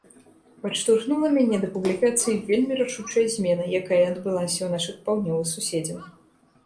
Падштурхнула мяне да публікацыі вельмі рашучая змена, якая адбылася ў нашых паўднёвых суседзяў.